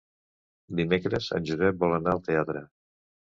Dimecres en Josep vol anar al teatre.